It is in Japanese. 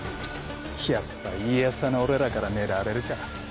やっぱ家康派の俺らから狙われるか。